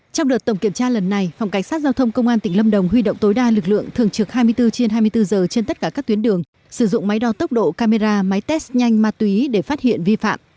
trong đợt tổng kiểm tra lần này phòng cảnh sát giao thông công an tỉnh lâm đồng huy động tối đa lực lượng thường trực hai mươi bốn trên hai mươi bốn giờ trên tất cả các tuyến đường sử dụng máy đo tốc độ camera máy test nhanh ma túy để phát hiện vi phạm